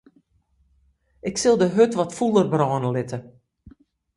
Ik sil de hurd wat fûler brâne litte.